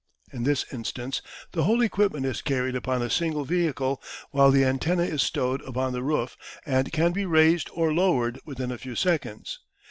In this instance the whole equipment is carried upon a single vehicle, while the antenna is stowed upon the roof and can be raised or lowered within a few seconds.